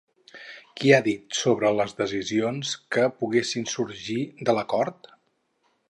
Què ha dit sobre les decisions que poguessin sorgir de l'acord?